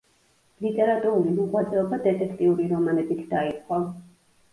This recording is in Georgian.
ლიტერატურული მოღვაწეობა დეტექტიური რომანებით დაიწყო.